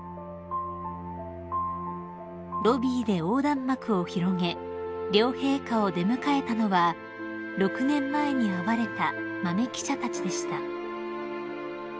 ［ロビーで横断幕を広げ両陛下を出迎えたのは６年前に会われた豆記者たちでした］